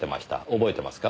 覚えてますか？